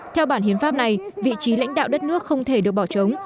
theo bản hiến pháp này vị trí lãnh đạo đất nước không thể được bỏ trống